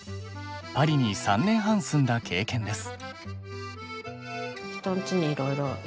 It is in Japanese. パリに３年半住んだ経験です。